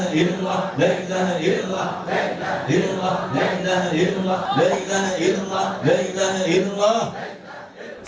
dailahillah dailahillah dailahillah dailahillah dailahillah dailahillah dailahillah